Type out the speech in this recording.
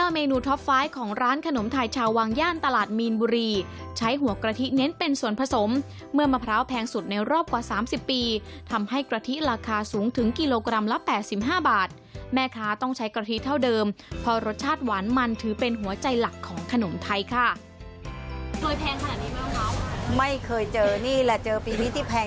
ไม่เคยเจอนี่แหละเจอปีนี้ที่แพงที่สุดยังแพงหรอครับ